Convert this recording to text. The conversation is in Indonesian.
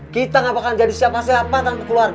kita nggak bakalan jadi siapa siapa tanpa keluarga